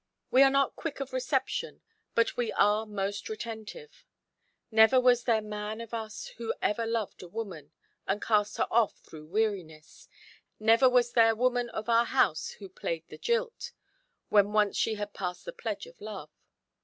We are not quick of reception, but we are most retentive. Never was there man of us who ever loved a woman and cast her off through weariness; never was there woman of our house who played the jilt, when once she had passed the pledge of love.